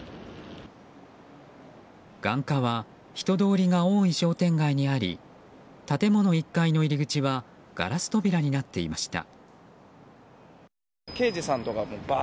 眼科は人通りが多い商店街にあり建物１階の入り口はガラス扉になっていました。